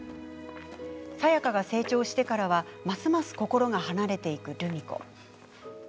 清佳が成長してからはますます心が離れていくルミ子。